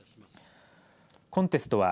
コンテストは